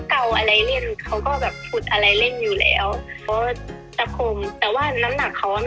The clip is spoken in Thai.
ชั่งประจำร้านเรานะคะ